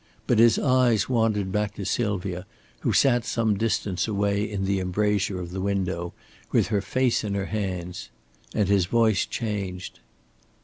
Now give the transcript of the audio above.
But his eyes wandered back to Sylvia, who sat some distance away in the embrasure of the window, with her face in her hands; and his voice changed.